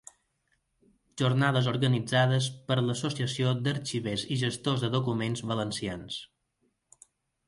Jornades organitzades per l'Associació d'Arxivers i Gestors de Documents Valencians.